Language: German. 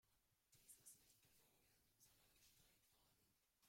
Dies ist nicht gewoben, sondern gestrickt worden.